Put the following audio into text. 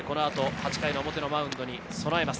８回表のマウンドに備えます。